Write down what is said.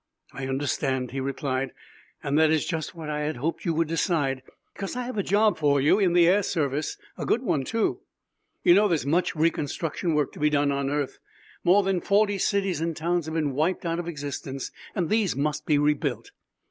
"I understand," he replied, "and that is just what I had hoped you would decide. Because I have a job for you in the Air Service. A good one, too. "You know there is much reconstruction work to be done on earth. More than forty cities and towns have been wiped out of existence and these must be rebuilt.